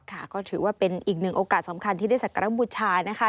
ค่ะก็ถือว่าเป็นอีกหนึ่งโอกาสสำคัญที่ได้สักการะบูชานะคะ